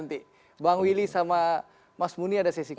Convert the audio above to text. nanti bang willy sama mas muni ada sesi kedua